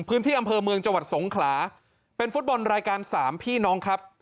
พื้นที่อำเภอเมืองจังหวัดสงขลาเป็นฟุตบอลรายการสามพี่น้องครับ